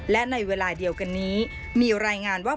และในเวลาเดียวกันนี้มีรายงานว่า